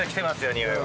においは。